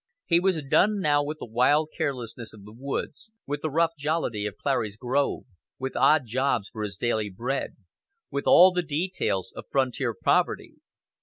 He was done now with the wild carelessness of the woods, with the rough jollity of Clary's Grove, with odd jobs for his daily bread with all the details of frontier poverty.